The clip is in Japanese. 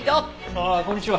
ああこんにちは。